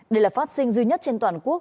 đây là phát sinh duy nhất trên toàn quốc